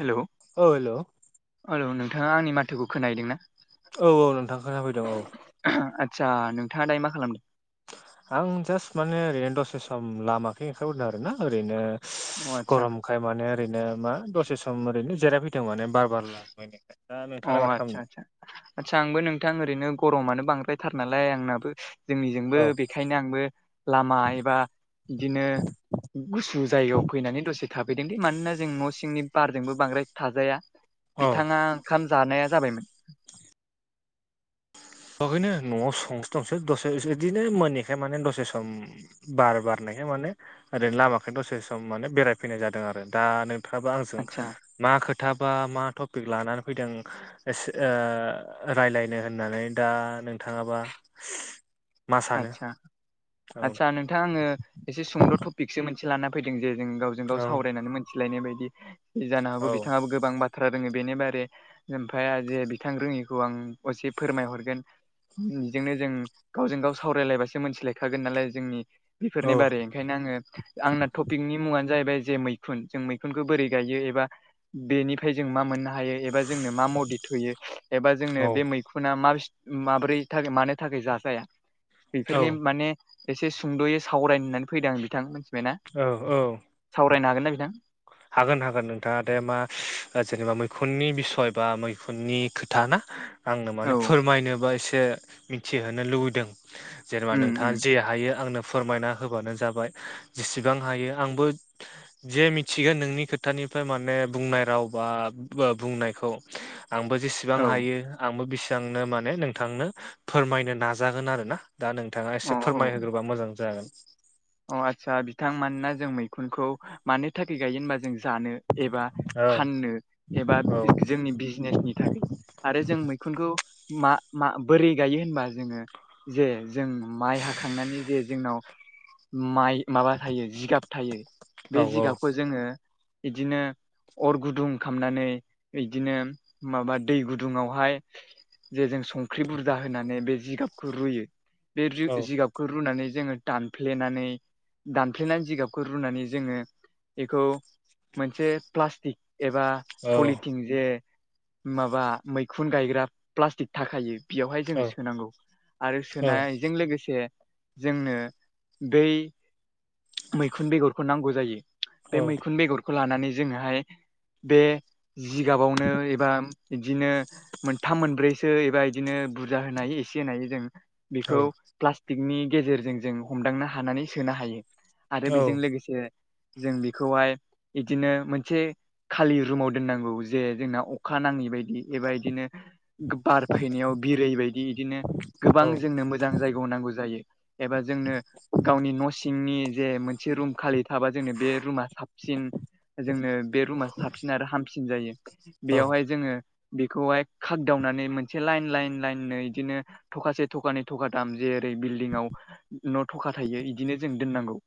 Hello औ hello औ औ नोंथाङा आंनि माथोखौ खोनायदों ना? औ औ नोंथां खोना फैदों औ। आदसा नोंथाङा दायो मा खालामदों? आं जास्ट माने ओरैनो दसे सम लामाख ओंखारहरदों आर ना ओरैनो अ आदसा गरम ओंखाय माने ओरैनो मा दसे सम ओरैनो जिरायफैदों माने बार बार लानायाय अ आदसा आदसा आदसा आंबो नोंथां ओरैनो गरमानो बांद्रायथार नालाय आंनाबो औ जोंनिजोंबो बेखायनो आंबो लामा एबा बिदिनो गुसु जायगायाव फैनानै दसे थाफैदों दै मानोना जों न' सिंनि बारजोंबो बांद्राय थाजाया बिथाङा ओंखाम जानाया जाबायमोन। थगैनो न'आव संसो दंसो दसे बिदिनो मोनैखाय माने दसे सम बार बारनायखाय माने ओरैनो लामाखनो दसे सम माने बेरायफैनाय जादों आरो दानो खोथाबा आंजों आदसा मा खोथाबा मा टपिक लानानै फैदों ओ रायलायनो होननानै दा नोंथाङाबा मा सानो आदसा औ आदसा नोंथां आङो एसे सुंद' टपिकसो मोनसे लाना फैदों जे जों गाव गाव औ सावरायनानै मोनथिलायनाय बायदि जानो औ हागौ बिथाङाबो गोबां बा बाथ्रा रोङो बेनि बारै ओमफफ्राय जे बिथां रोङिखौ आं असे फोरमायहरगोन बिजोंनो जों गावजों गाव सावरायलायबासो मोनथिलायखागोन नालाय जोंनि औ बेफोरनि बारै बेओंखायनो आङो आंना टपिकनि मुङानो जाहैबाय जे मैखुन जों मैखुनखौ बोरै गायो एबा बेनिफ्राय जों मा मोननो हायो एबा जोंनो मा मडद होयो एबा जोंनो बे औ मै खुना माब माब्रै मानि थाखाय जाजाया। औ बेफोरनि माने एसे सुंद'यै सावरायनो होननानै फैदों आं बिथां मिथिबायना औ औ सावरायनो हागोन ना बिथां हागोन हागोन नोंथाङा दे मा जेनेबा मैखुननि बिसय बा मैखुननि थाना आंनो औ माने फोरमायनोबा एसे मिथिहोनो लुबैदों जेनेबा उम उम नोंथाङा जे हायो आंनो फोरमायना होबानो जाबाय जेसेबां हायो आंबो जे मिथिगोन नोंनि खोथानिफ्राय माने बुंनाय राव बा बुंनायखौ आंबो जेसेबां औ हायो आंबो बेसांनो माने नोंथांनो फोरमायनो नाजागोन आरोना। दा नोंथाङा अ एसे औ फोरमायहोग्रोबा मोजां जागोन। अ आतसा बिथां मानोना जों मैखुनखौ मानो थाखाय गायो होनबा जों जानो। एबा फाननो एबा जोंनि बिजनेस नि थाखाय आरो जों मैखुनखौ मा मा बोरै गायो होनबा जोंङो जे जों माइ हाखांनानै जे जोंनाव माइ माबा थायो जिगाब थायो बे जिगाबखौ जोंङो बिदिनो अर गुदुं खामनानै बिदिनो माबा दै गुदुंआवहाय जे जों संख्रि बुरजा होनानै बे जिगाबखौ रुयो। बे जिगाबखौ रुनानै जोंङो दान फ्लेनानै दानफ्लेनानै जिगाबखौ रुनानै जोंङो बेखौ मोनसे प्लास्टिक एबा पलिथिन जे माबा मैखुन गायग्रा प्लास्टिक थाखायो। बेयावहाय जोंङो सोनांगौ आरो सोनायजों लोगोसे जोंनो बै मैखुन बेगरखौ नांगौ जायो बे मैखुन बेगरखौ खौ लानानै जोंङोहाय बे जिगाबावनो एबा बिदिनो मोनथाम मोनब्रैसो एबा इदिनो बुरजा होनो हायो एसे होनो हायो जों बेखौ प्लास्टिकनि गेजेरजों जों हमदांनो हानानै सोनो हायो। आरो बेजों लोगोसे जों बेखौहाय बिदिनो मोनसे खालि रुमाव दोननांगौ जे जोंना अखा नाङै बायदि एबा इदिनो बार फैनायाव बिरै बायदि इदिनो गोबां जोंनो मोजां जायगायाव नांगौ जायो एबा जोंनो गावनि न' सिंनि जे मोनसे रुम खालि थाबा जोंनो बे रुमा साबसिन जोंनो बे रुमा साबसिन आरो हामसिन जायो। बेयावहाय जोंङो बेखौहाय खागदावनानै मोनसे लाइन लाइन लाइनै इदिनो थकासे थखानै थखाथाम जेेरै बिल्डिंआव न' थखा थायो इदिनो जों दोननांगौ।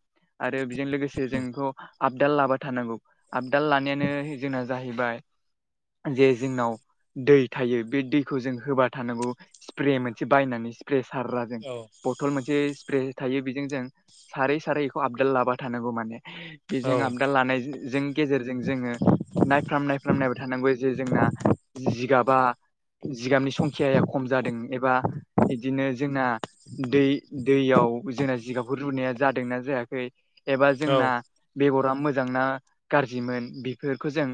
आरो बेजों लोगोसे जों बेखौ आपडाल लाबाय थानांगौ आपडाल लानायानो जोंना जाहैबाय जे जोंनाव दै थायो बे दैखौ जों होबा थानांगौ स्प्रे मोनसे बायनानै स्प्रे सारोना जों बथल मोनसे स्प्रे थायो बेजों जों सारै सारै बेखौ आपडाल लाबा थानांगौ माने बेजों आपडाल लानाय जों गेजेरजों जोङो नायफ्राम नायफ्राम नायबाय थानांगौ जे जोंना जिगाबा जिगाबनि संखियाया खम जादों एबा बिदिनो जोंना दै दैयाव जोंना जिगाबफोर रुनाया जादोंना जायाखै एबा जोंना बेगरा मोजांनाा गाज्रिमोन बेफोरखौ जों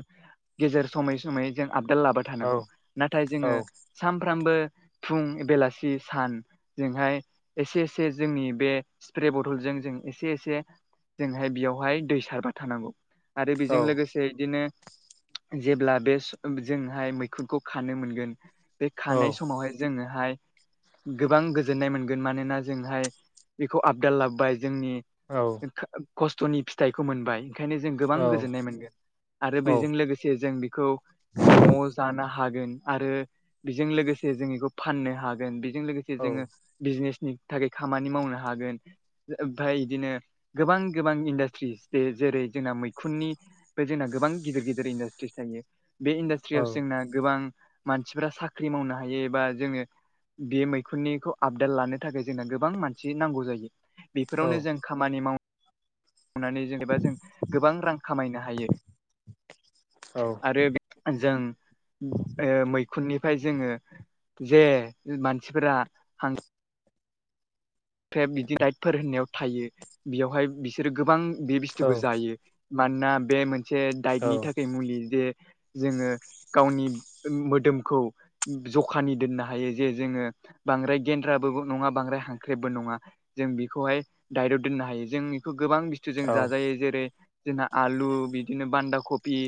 गेजेर समयै समयै जों आपडाल लाबाय थानांगौ नाथाय जोङो सानफ्रामबो फुं बेलासि सानजोंहाय एसे एसे जोंनि बे स्प्रे बथलजों जों एसे एसे जोंहाय बेयावहाय दै सारबा थानांगौ आरो बेजों लोगो बिदिनो जेब्ला बे जोंहाय मैखुनखौ खानो मोनगोन। बे खानाय समावहाय जोंङो हाय गोबां गोजोननाय मोनगोन मानोना जोंहाय बेखौ आपडाल लाबबाय जोंनि औ खस्थ'नि फिथाइखौ मोनबाय बेखायनो जों गोबां गोजोननाय मोनगोन आरो बेजों लोगोसे जों बिखौ न'आव जानो हागोन आरो बेजों लोगोसे जों बेखौ फाननो हागोन बेजों लोगोसे जोङो अ बिजनेसनि थाखाय खामानि मावनो हागोन। ओमफ्राय बिदिनो गोबां गोबां इन्डास्ट्रिस बेे जेरै जोंना मैखुननि बे जोंना गोबां गिदिर गिदिर इन्डास्ट्रिस थायो बे इन्डास्ट्रियाव जोंना गोबां मानसिफोरा साख्रि मावनो हायो एबा जोङो बे मैखुननिखौ आपडेट लानो थाखाय जोंनो गोबां मानसि नांगौ जायो बेफोरावनो जों खामानि माव मावनानै जेनेबा जों गोबां रां खामायनो हायो आरो बे जों ओ मैखुननिफ्राय जोङो जे मानसिफोरा फ्रे बिदि लााइटफोर होननायाव थायो बेयावहाय बिसोरो गोबां बे बुस्थुखौ जायो। मानोना बे मोनसे दाइटनि थाखाय मुलि जे जोङो गावनि मोदोमखौ जखानि दोननो हायो जे जोङो बांद्राय गेन्द्राबो नङा बांद्राय हां ख्रेबबो नङा जों बेखौहाय दाइर' दोननो हायो जों बेखौ गोबां बुस्थु जों जाजायो जेरै जोंना आलु बिदिनो बान्दा कफि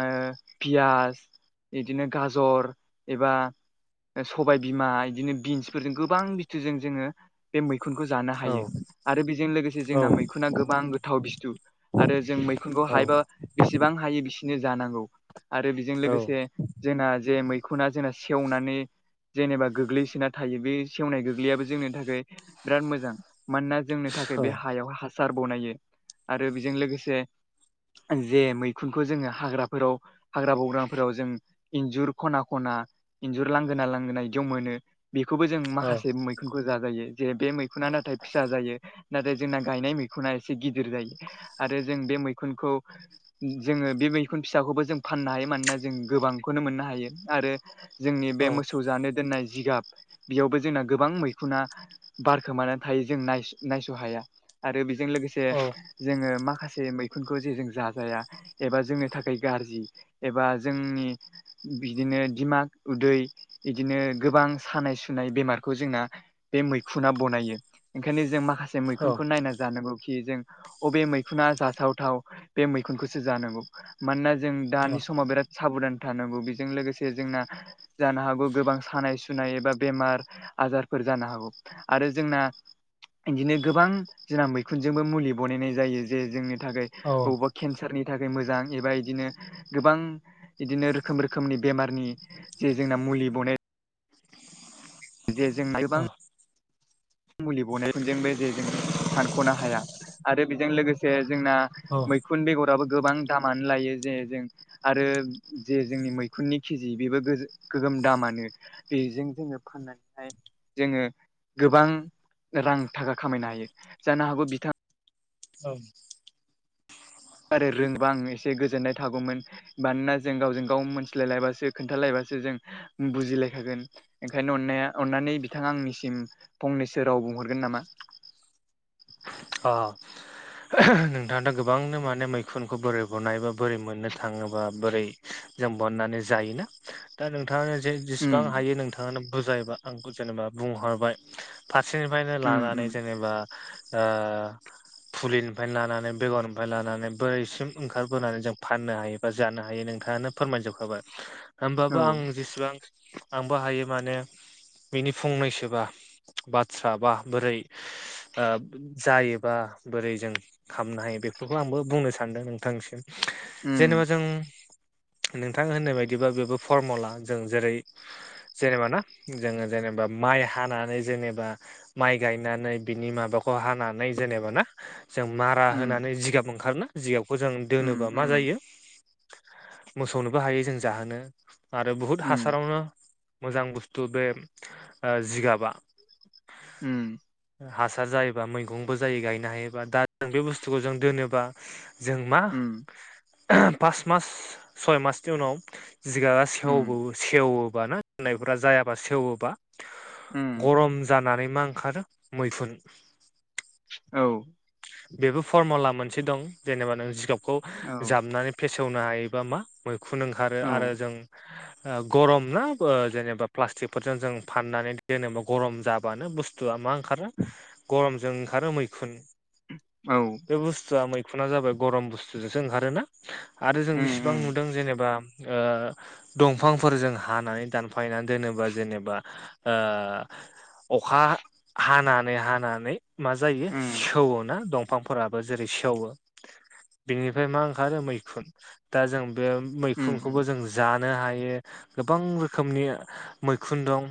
ओ पियास बिदिनो गाजर एबा सबायबिमा बिदिनो बिन्सफोरजों गोबां बस्थुजों जोङो बे मैखुनखौ जानो हायो। आरो बेजों लोगोसे जोंना मैखुना गोबां गोथाव बस्थु आरो जों मैखुनखौ हायबा बेसेबां हायो बिसिनो जानांगौ आरो बेजों लोगोसे जोंना जे मैखुना जोंना सेवनानै जेनेबा गोग्लैसोना थायो बे सेवनाय गोग्लैयाबो जोंनि थाखाय बिराद मोजां! मानोना जोंनि थाखाय बे हायाव ह सार बनायो आरो बेजों लोगोसे जे मैखुनखौ जोङो हाग्रा फोराव हाग्रा बग्राफोराव जों इन्जुर खना खना इन्जुर लांगोना लांगोना बिदि' मोनो। बेखौबो जों माखासे मैखुनखौ जाजायो जे बे मैखुना नाथाय फिसा जायो नाथाय जोंना गायनाय मैखुना एसे गिदिर जायो आरो जों बे मैखुनखौ जोङो बे मैखुन फिसाखौबो जों फाननो हायो मानोना जों गोबांखौनो मोननो हायो आरो जोंनि बे मोसौ जानो दोननाय जिगाब बेयावबो जोंना गोबां मैखोम सखुना बारखोमानानै थायो जों नायस' हाया आरो बेजों लोगोसे जोङो माखासे मैखुनखौ जे जों जाजाया। एबा जोंनि थाखाय गाज्रि एबा जोंनि बिदिनो दिमाग उदै बिदिनो गोबां सानाय सुनाय बेमारखौ जोंना बे मैखुुना बनायो ओंखायनो जों माखासे मैखुनखौ नायना जानांगौ खि जों अबे मैखुना जासावथाव बे मैखुनखौसो जानांगौ मानोना जों दानि समाव बेराद साब'धान थानांगौ बेजों लोगोसे जोंना जानो हागौ गोबां सानाय सु सुनाय एबा बेमार आजारफोर जानो हागौ आरो जोंना इदिनो गोबां जोंना मैखुनजोंबो मुलि बनायनाय जायो जे जोंनि थाखाय अबेबा केन्सारनि थाखाय मोजां एबा इदिनो गोबां इदिनो रोखोम-रोखोमनि बेमारनि जे जोंना मुलि बनाय जे जों [inaudible] बां मुलि बनाय [inaudible] जोंबो जेजों सानख'नो हाया आरो बेजों लोगोसे जोंना मैखुन बेगराबो गोबां दामानो लायो जे जों आरो जे जोंनि मैखुननि केजि बेबो गो गोगोम दामानो। बेजों जोङो फाननानैहाय जोङो गोबां रां थाखा खामायनो हायो जानो हागौ बिथाङा औ। आरो रोंबा आं एसे गोजोननाय थागौमोन मानोना जों गावजों गाव मोनथिलायलायबासो खोन्थालायबासो जों बुजिलायखागोन। ओंखायनो अननाया अननानै बिथाङा आंनिसिम फंनैसो राव बुंहरगोन नामा? अ ओहो हो नो [inaudible] दा गोबांनो माने मैखुनखौ बोरै बनायबा बोरै मोननो थाङोबा बोरै जों बनायनानै जायोना दा नोंथाङानो जे उम जेसेबां हायो नोंथाङानो बुजायबा आंखौ जेनेबा बुंहरबाय फारसेनिफायनो उम उम लानानै जेनेबा ओ फुलिनिफायनो लानानै बेगरनिफाय लानानै बोरैसिम ओंखारबोनानै जों फाननो हायो बा जानो हायो नोंथाङानो फोरमायजोबखाबाय होमबाबो औ आं जेसेबां आंबो हायो माने बिनि फंनैसोबा बाथ्रा बा बोरै ओ जायोबा बोरै जों खामनो हायो बेफोरखौ आंबो बुंनो सानदों नोंथांनिसिम उम जेनेबा जों नोंथां होननाय बायदिबा बेबो फरम'ला जों जेरै जेनेबा ना जोङो जेनेबा माइ हानानै जेनेबा माइ गायनानै बिनि माबाख खौ हानानै जेनेबा ना जों मारा उम होनानै जिगाब ओंखारो ना जिगाबखौ जों दोनोबा उम मा उम जायो मोसौनोबो हायो जों जाहोनो आरो बुहुत उम हासारावनो मोजां बुस्थु बे ओ जिगाबा उम हासार जायोबा मैगंबो जायो गायनो हायोबा दा [inaudible] बे बुस्थुखौ जों दोनोबा जों मा उम ओहम पास मास सय मासनि उनाव जिगाबा उम सेवबो-सेवोबा ना होनायफ्रा जायाबा सेवोबा उम गरम जानानै मा ओंखारो मैखुन औ बेबो फरम'ला मोनसे दं जेनेबा नों जिगाबखौ औ जाबनानै फेसेवनो हायोबा मा मैखुन ओंखारो औ आरो जों ओ गरम ना ओ जेनेबा प्लास्टिकफोरजों जों फाननानै दोनोबा गरम जाबानो बुस थुआ मा ओंखारो गरमजों ओंखारो मैखुन औ बे बुस्थुआ मैखुना जाबाय गरम बुस्थुजोंसो ओंखारोना आरो जों उम बेसेबां नुदों जेनेबा ओ दंफांफोरजों हानानै दानफायनानै दोनोबा जेनेबा ओ अखा हानानै-हानानै मा जायो उम सेवोन [inaudible] दंफांफोराबो जेरै सेवो बेनिफाय मा ओंखारो मैखुन दा जों बेयाव उम मैखुनखौबो उम जों जानो हायो गोबां रोखोमनि मैखुन दं।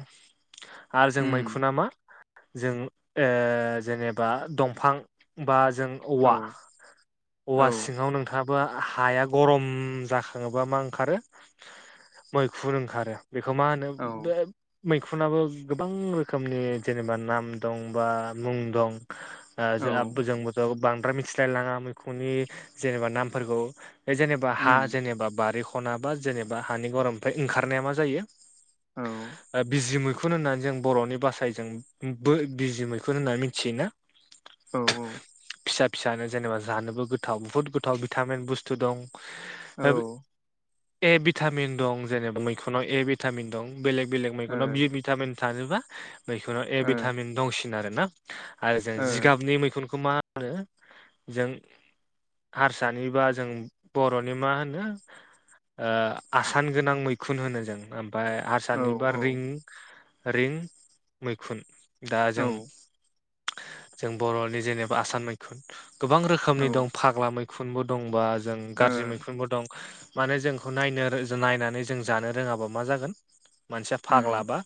आरो जों उम मैखुना मा जों ओ जेनेबा दंफां बा जों औ औवा औ औवा सिङाव नोंथाङा बा हाया गरम जाखाङोबा मा ओंखारो मैखुर ओंखारो। बेखौ मा होनो औ बे? मैखुनाबो गोबां रोखोमनि जेनेबा नाम दं बा मुं दं। औ जोआ बोजों बो बांद्राय मिथिलायलाङा मैखुननि जेनेबा नामफोरखौ। बे जेनेबा हा उम जेनेबा बारि ख'नाबा जेनेबा हानि गरमनिफ्राय ओंखारनाया मा जायो औ ओ बिजि मै खुन होननानै जों बर'नि बासायजों बो बिजि मैखुन होनना मिथियोना औ-औ फिसा-फिसानो जेनेबा जानोबो गोथाव बहुत गोथाव भिटामिन बुस्थ थु दं औ ओ बे ए भिटामिन दं जेनेबा मैखुनाव ए भिटामिन दं बेलेग-बेलेग औ मैखुनाव बि भिटामिन थाजोबा मैखुनाव ए भिटामिन दंसिन आरोना आरो जों जिगाबनि मैखुनखौ मा नो जों हारसानि बा जों बर'नि मा होनो? ओ आसान गोनां मैखुन होनो जों ओमफाय ओ सानिबा रिं रिं मैखुन दा ओ औ जों जों बर'नि जेनेबा आसान मैखुन गोबां औ रोखोमनि ओ दं फाग्ला मै मैखुनबो दंबा जों गाज्रि मैखुनबो दं। माने जोंखौ नायनो नायनानै जों जानो रोङाबा मा जागोन मानसिया उम फाग्लाबा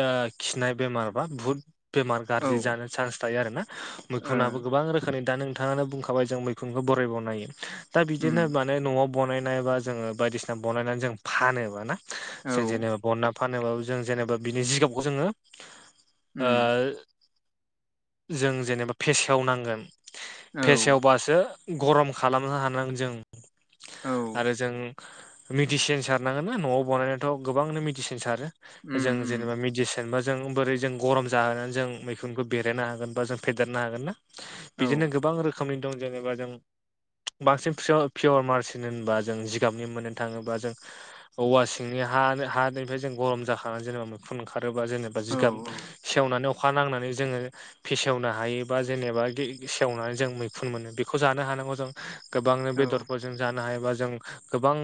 ओ खिनाय बेमार बा बुहुत बेमार औ गाज्रि ओ जानो चान्स थायो आरोना मैखुनाबो गोबां रोखोमनि दा नोंथाङा बुंखाबाय जों मैखुनखौ बरायबावनोनायो। दा बिदिनो उम माने न'आव बानायनाय बा जोङो बायदिसिना बनायनानै जों फानोबा ना। औ जों जेनेबा बनना फानोबाबो जों जेनेबा बिनि जिगाबखौ जोङो ओ उम जों जेनेबा फेसेवनांगोन औ फेसेवबासो गरम खालामनो हानांगोन जों। औ आरो जों मिडिसिन सारनांगोन ना न'आव बानायनायथ' गोबांनो मिडसिन सारो। उम जों जेनेबा मेडिसिनबा जों बोरै जों गरम जाहोनानै जों मैखुनखौ बेरायनो हागोन बा जों फेदेरनो हागोन ना औ बिदिनो गोबां रोखोमनि दं जेनेबा जों बांसिन पियर पियर मारसिन होनबा जों जिगाबनि मोननो थाङोबा जों औवा सिंनि हा हानिफ्राय जों गरम जाखांनानै जेनेबा खुन ओंखारोबा जेनेबा औ जिगाब सेवनानै अखा नांनानै जोङो फेसेवनो हायो बा जेनेबा सेवनानै जों मैखुन मोनो बेखौ जानो हानांगौ जों गोबांनो औ बेदरफोरजों जानो हायोबा जों गोबां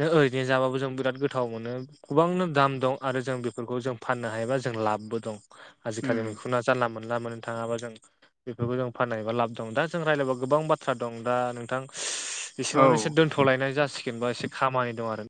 नों ओरैनो जाबो जों बिराद गोथाव मोनो। गोबांनो दाम दं आरो जों बेफोरखौ जों फाननो हायोबा जों लाबबो दं आजिखालि उम मैखुन लाम मोनोन लामो थाङाबा जों बेफोरखौ जों फाननायबा लाब दं दा जों रायज्लायबा गोबां बाथ्रा दं दा नोंथां बिसेबांनो औ एसे दोनथ'लायनाय जासिगोन बा एसे खामानि दं आरो।